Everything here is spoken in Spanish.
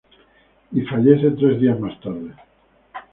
Y fallece tres días más tarde.